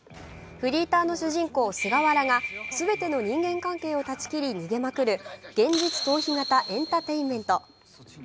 フリーターの主人公・菅原が全ての人間関係を断ち切り逃げまくる現実逃避型エンターテインメント。